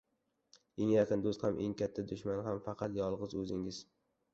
• Eng yaqin do‘st ham, eng katta dushman ham faqat yolg‘iz o‘zingiz.